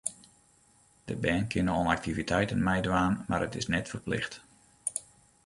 De bern kinne oan aktiviteiten meidwaan, mar it is net ferplicht.